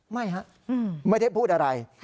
ไม่ฮะไม่ได้พูดอะไร